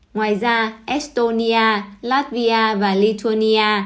ngoài ra estonia latvia và lithuania